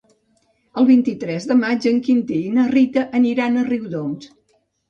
El vint-i-tres de maig en Quintí i na Rita aniran a Riudoms.